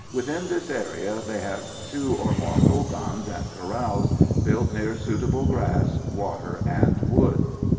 Within this area they have two or more hogans and corrals, built near suitable grass, water, and wood.